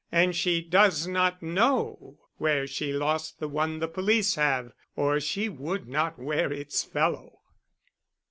And she does not know where she lost the one the police have, or she would not wear its fellow."